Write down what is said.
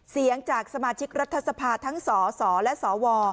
เสียงจากสมาชิกรัฐสภาทั้งสสและสว